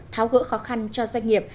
tháo gỡ khó khăn cho doanh nghiệp